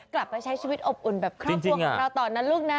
กลับไปใช้ชีวิตอบอุ่นเงียบใต้เพื่อนลักษณะลุงนะ